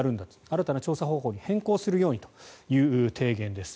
新たな調査方法に変更するんだという提言です。